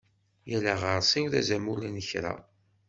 Yal aɣersiw d azamul n kra.